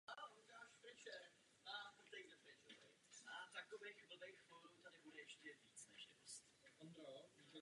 Dikobraz jihoafrický je k vidění přibližně v pěti desítkách veřejných zařízení.